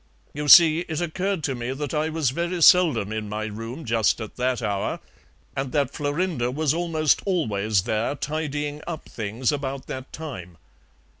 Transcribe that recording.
You see it occurred to me that I was very seldom in my room just at that hour, and that Florinda was almost always there tidying up things about that time.